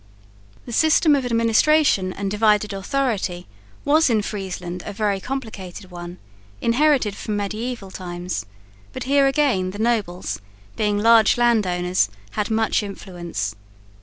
The system of administration and divided authority was in Friesland a very complicated one, inherited from mediaeval times, but here again the nobles, being large land owners, had much influence.